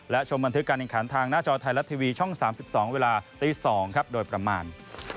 และชมบันทึกการแข่งขันทางหน้าจอไทยรัฐทีวีช่อง๓๒เวลาตี๒ครับโดยประมาณ